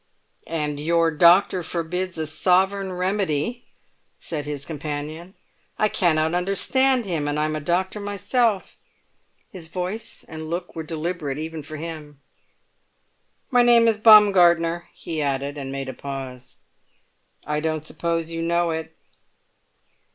"And your doctor forbids a sovereign remedy!" said his companion. "I cannot understand him, and I'm a doctor myself." His voice and look were deliberate even for him. "My name is Baumgartner," he added, and made a pause. "I don't suppose you know it?"